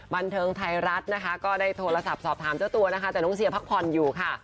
บันเทิงไทยรัฐนะคะก็ได้โทรศัพท์สอบถามเจ้าตัวนะคะแต่น้องเซียพักผ่อนอยู่ค่ะ